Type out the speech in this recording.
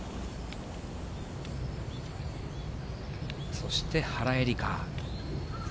そして原英莉花。